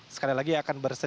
sekali lagi akan berlangsung